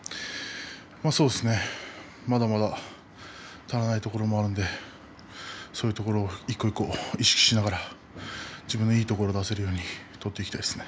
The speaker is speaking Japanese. まだまだ足らないところもあるのでそういうところを１個１個意識しながら自分のいいところを出せるように取っていきたいです。